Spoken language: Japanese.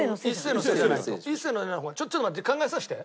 のーせちょっと待って考えさせて。